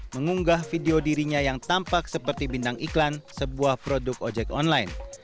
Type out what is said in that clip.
mengunggah video dirinya yang tampak seperti bintang iklan sebuah produk ojek online